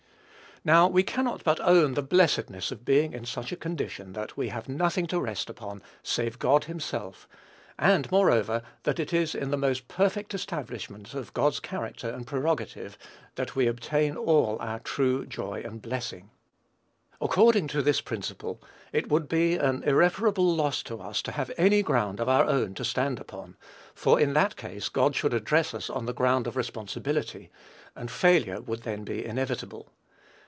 Now, we cannot but own the blessedness of being in such a condition that we have nothing to rest upon save God himself; and, moreover, that it is in the most perfect establishment of God's own character and prerogative that we obtain all our true joy and blessing. According to this principle, it would be an irreparable loss to us to have any ground of our own to stand upon, for in that case God should address us on the ground of responsibility, and failure would then be inevitable.